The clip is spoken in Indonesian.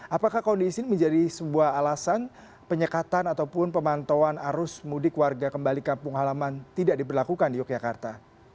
apakah kondisi ini menjadi sebuah alasan penyekatan ataupun pemantauan arus mudik warga kembali kampung halaman tidak diberlakukan di yogyakarta